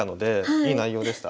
いい内容でした。